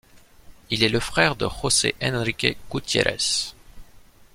Il est le frère de José Enrique Gutiérrez.